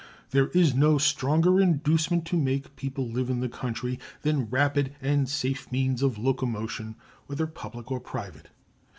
There is no stronger inducement to make people live in the country than rapid and safe means of locomotion, whether public or private.